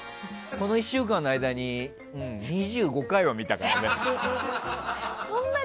この１週間の間に２５回は見たかな。